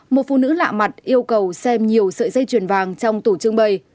một phụ nữ lạ mặt yêu cầu xem nhiều sợi dây truyền vàng trong tủ trương bày